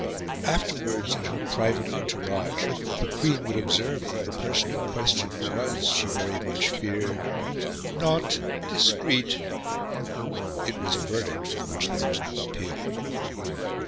Afterwards, in her private entourage, the Queen would observe that the person in question was, she very much feared, "not discreet"; it was a verdict from which there was no appeal.